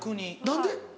何で？